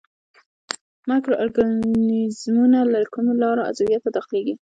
مایکرو ارګانیزمونه له کومو لارو عضویت ته داخليږي.